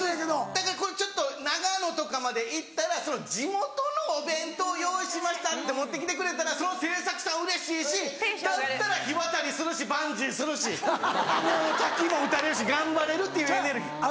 だからこれちょっと長野とかまで行ったらその地元のお弁当用意しましたって持って来てくれたらその制作さんうれしいしだったら火渡りするしバンジーするしもう滝も打たれるし頑張れるっていうエネルギー。